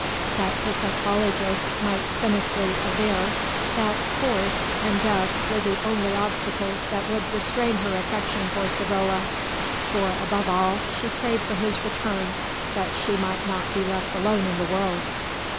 But the psychologist might cynically aver that force and death were the only obstacles that would restrain her affection for Savrola, for above all she prayed for his return, that she might not be left alone in the world.